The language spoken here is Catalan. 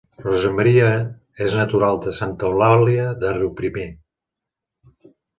Rosa Maria és natural de Santa Eulàlia de Riuprimer